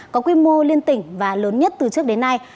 có quy mô liên tỉnh và lớn nhất từ trước đến nay